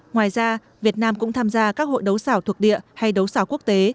ngoài ra việt nam cũng tham gia các hội đấu xảo thuộc địa hay đấu xảo quốc tế